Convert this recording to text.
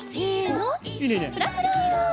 フラフラ！